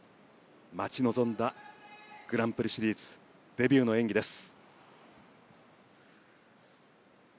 待ち望んだグランプリシリーズデビューの演技です。